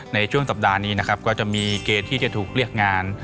ในช่วงสัปดาห์นี้เนี่ยจะมีการการที่ถูกเรียกงาน